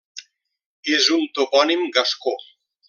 És un topònim gascó.